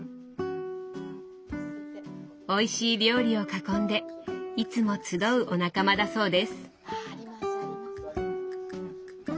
おいしい料理を囲んでいつも集うお仲間だそうです。